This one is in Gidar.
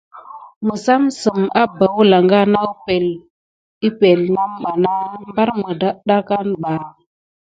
Misem zim abà wəlaŋga nat epəŋle wune ɓana sikué migrana kubà.